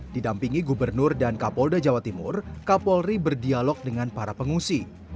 didampingi gubernur dan kapolda jawa timur kapolri berdialog dengan para pengungsi